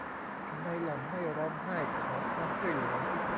ทำไมหล่อนไม่ร้องไห้ขอความช่วยเหลือ ?